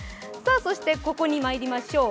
ここにまいりましょう。